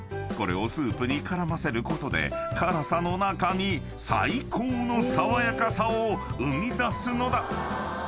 ［これをスープに絡ませることで辛さの中に最高の爽やかさを生み出すのだ］